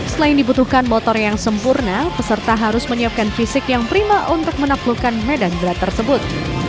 selain dibutuhkan motor yang sempurna peserta harus menyiapkan fisik yang prima untuk menaklukkan medan berat tersebut